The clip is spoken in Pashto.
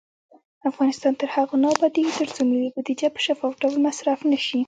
افغانستان تر هغو نه ابادیږي، ترڅو ملي بودیجه په شفاف ډول مصرف نشي.